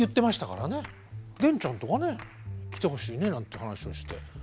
「源ちゃんとかね来てほしいね」なんて話をして。